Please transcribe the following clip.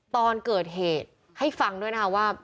ตอนเกิดเหตุให้ฟังด้วยนะคะว่า